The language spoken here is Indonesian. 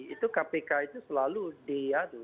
itu kpk itu selalu diadu